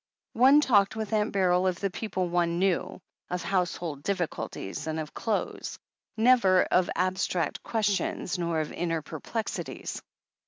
One talked with Aunt Beryl of the people one knew, of household difficulties, and of clothes. Never of abstract questions, nor of inner perplexities.